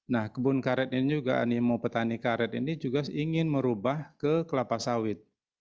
nah kebun karet ini juga animo petani karet ini juga ingin merubah ke kelapa sawit